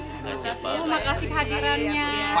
bu makasih kehadirannya